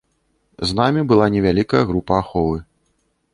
З намі была невялікая група аховы.